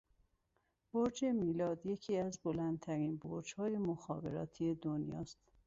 برج میلاد یکی از بلندترین برجهای مخابراتی دنیاست